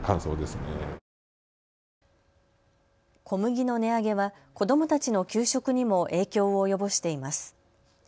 小麦の値上げは子どもたちの給食にも影響を及ぼしています。